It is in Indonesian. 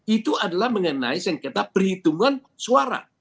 itu adalah mengenai sengketa perhitungan suara